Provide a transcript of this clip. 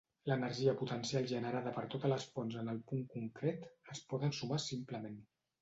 L'energia potencial generada per totes les fonts en el punt concret es poden sumar simplement.